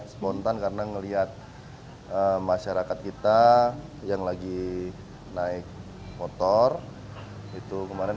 spontan karena melihat masyarakat kita yang lagi naik motor itu kemarin